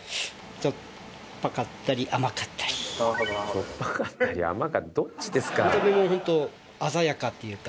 しょっぱかったり甘かったりどっちですか？